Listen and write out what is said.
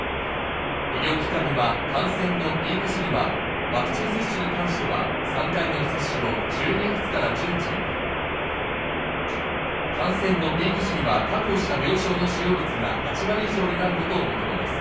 医療機関には感染のピーク時にはワクチン接種に関しては３回目の接種を１２月から順次、感染のピーク時には確保した病床の使用率が８割以上になることを求めます。